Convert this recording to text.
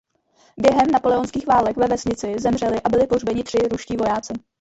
Během napoleonských válek ve vesnici zemřeli a byli pohřbeni tři ruští vojáci.